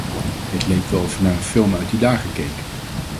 Het leek wel of ik naar een film uit die dagen keek.